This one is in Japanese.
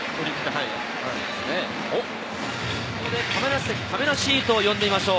さて、ここで亀梨席・かめなシートを呼んでみましょう。